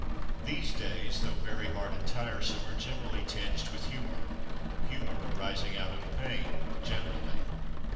These days, though very hard and tiresome, are generally tinged with humour — humour arising out of pain generally.